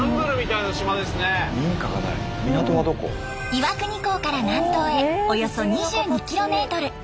岩国港から南東へおよそ２２キロメートル。